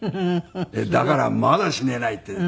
「だからまだ死ねない」って。